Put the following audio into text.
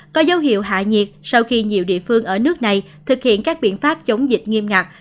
có dấu hiệu hạ nhiệt sau khi nhiều địa phương ở nước này thực hiện các biện pháp chống dịch nghiêm ngặt